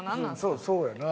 そうやな。